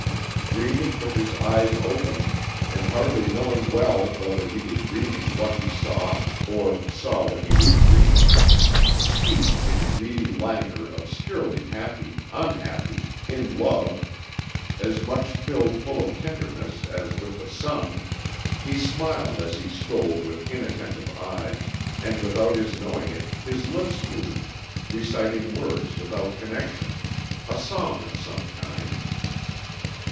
Dreaming with his eyes open and hardly knowing well whether he was dreaming what he saw, or saw what he was dreaming, steeped in a greedy languor obscurely happy, unhappy, in love, as much filled full of tenderness as with the sun, he smiled as he strolled with inattentive eyes, and without his knowing it his lips moved, reciting words without connection, a song of some kind.